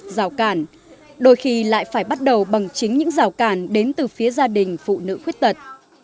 rào cản đôi khi lại phải bắt đầu bằng chính những rào cản đến từ phía gia đình phụ nữ khuyết tật